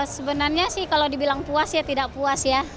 sebenarnya sih kalau dibilang puas ya tidak puas ya